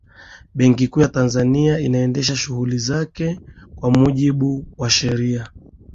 benki kuu ya tanzania inaendesha shughuli zake kwa mujibu wa sheria